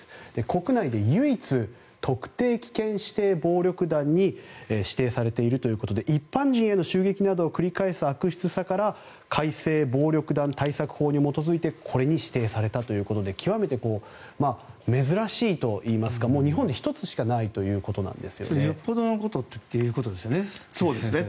国内で唯一特定危険指定暴力団に指定されているということで一般人への襲撃を繰り返す悪質さから改正暴力団対策法に基づいてこれに指定されたということで極めて珍しいといいますかもう日本で１つしかないということなんですよね。